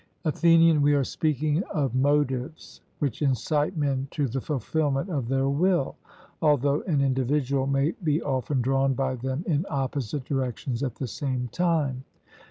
ATHENIAN: We are speaking of motives which incite men to the fulfilment of their will; although an individual may be often drawn by them in opposite directions at the same time.